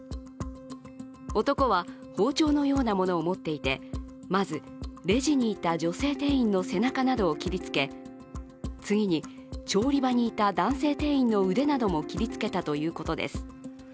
男は包丁のようなものを持っていて、まずレジにいた女性店員の背中などを切りつけ次に調理場にいた、男性店員の腕なども切りつけたということです。